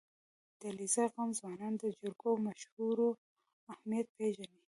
• د علیزي قوم ځوانان د جرګو او مشورو اهمیت پېژني.